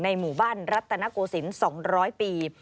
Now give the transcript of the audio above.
หมู่บ้านรัตนโกศิลป์๒๐๐ปี